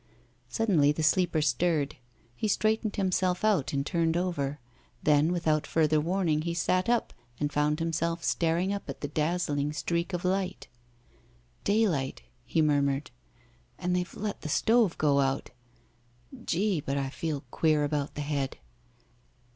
Suddenly the sleeper stirred. He straightened himself out and turned over. Then, without further warning, he sat up and found himself staring up at the dazzling streak of light. "Daylight," he murmured; "and they've let the stove go out. Gee! but I feel queer about the head."